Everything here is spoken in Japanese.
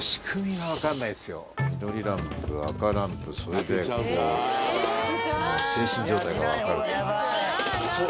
緑ランプ赤ランプそれで精神状態がわかるという。